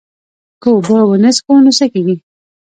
که اوبه ونه څښو نو څه کیږي